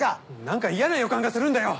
何か嫌な予感がするんだよ！